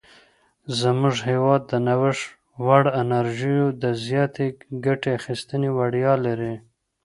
زموږ هیواد د نوښت وړ انرژیو د زیاتې ګټې اخیستنې وړتیا لري.